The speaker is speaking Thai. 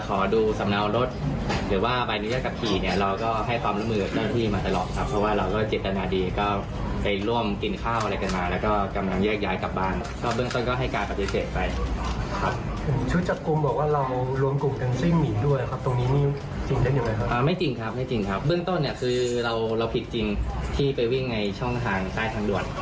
ขอบฏรวัติว่าเราผิดจริงที่ไปวิ่งในช่องทางใต้ทางด่วน